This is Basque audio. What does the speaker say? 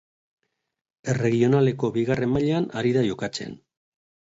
Erregionaleko bigarren mailan ari da jokatzen.